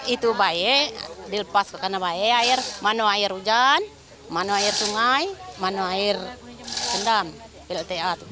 itu bayi dilepas ke kanan bayi mana air hujan mana air sungai mana air kendang plta